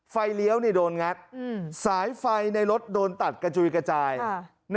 เลี้ยวโดนงัดสายไฟในรถโดนตัดกระจุยกระจาย